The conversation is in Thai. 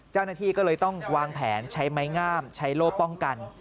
เจ้าหน้าที่ก็เลยต้องวางแผนใช้ไม้งามใช้โล่ป้องกัน